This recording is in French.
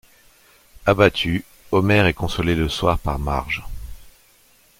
Abattu, Homer est consolé le soir par Marge.